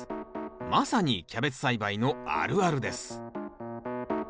まさにキャベツ栽培のあるあるです。